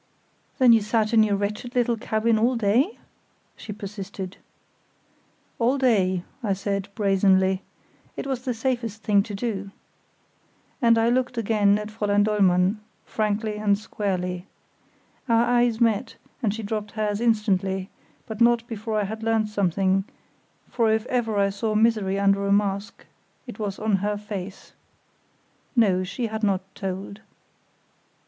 "Then you sat in your wretched little cabin all day?" she persisted. "All day," I said, brazenly; "it was the safest thing to do." And I looked again at Fräulein Dollmann, frankly and squarely. Our eyes met, and she dropped hers instantly, but not before I had learnt something; for if ever I saw misery under a mask it was on her face. No; she had not told.